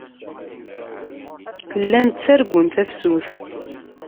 Llan ttargun tafsut.